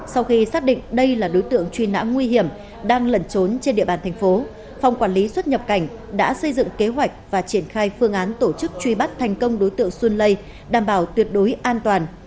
sau khi xác định đây là đối tượng truy nã nguy hiểm đang lẩn trốn trên địa bàn thành phố phòng quản lý xuất nhập cảnh đã xây dựng kế hoạch và triển khai phương án tổ chức truy bắt thành công đối tượng xuân lây đảm bảo tuyệt đối an toàn